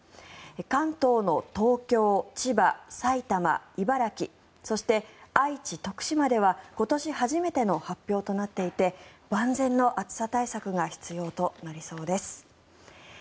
関東の東京、千葉、埼玉、茨城そして、愛知、徳島では今年初めての発表となっていて万全の暑さ対策が必要となりそうです。